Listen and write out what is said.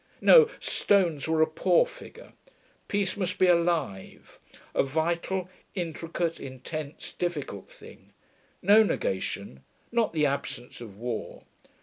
No, stones were a poor figure. Peace must be alive; a vital, intricate, intense, difficult thing. No negation: not the absence of war.